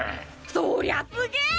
そりゃすげぇっ！